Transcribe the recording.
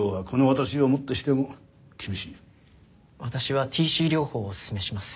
私はＴＣ療法をおすすめします。